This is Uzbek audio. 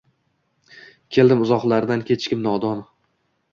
Keldim uzoqlardan kechikib nodon